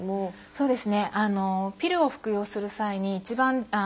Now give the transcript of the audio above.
そうです。